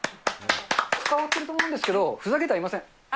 伝わってると思うんですけど、ふざけてはいません。